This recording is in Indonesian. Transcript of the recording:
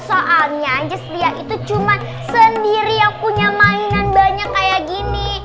soalnya inci sedia itu cuma sendiri yang punya mainan banyak kayak gini